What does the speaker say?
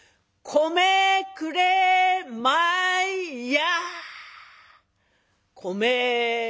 「米くれまいや！」。